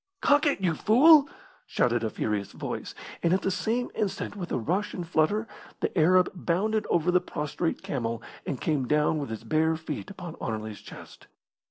"Cock it, you fool!" shouted a furious voice; and at the same instant, with a rush and flutter, the Arab bounded over the prostrate camel and came down with his bare feet upon Anerley's chest.